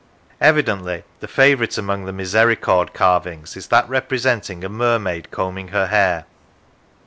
Evidently the favourite among the misericord carvings is that representing a mermaid combing her hair.